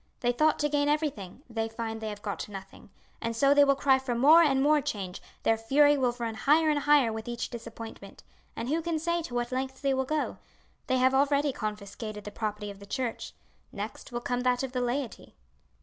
They thought to gain everything they find they have got nothing; and so they will cry for more and more change, their fury will run higher and higher with each disappointment, and who can say to what lengths they will go? They have already confiscated the property of the church, next will come that of the laity."